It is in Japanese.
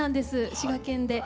滋賀県で。